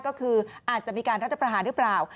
ก็คืออาจจะมีการรัฐประหารหรือเปล่า